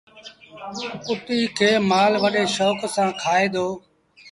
ڪُٽي کي مآل وڏي شوڪ سآݩ کآئي دو۔